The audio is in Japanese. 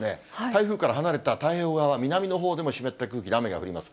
台風から離れた太平洋側、南のほうでも湿った空気で雨が降ります。